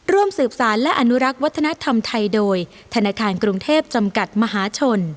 ร่วมสืบสารและอนุรักษ์วัฒนธรรมไทยโดยธนาคารกรุงเทพจำกัดมหาชน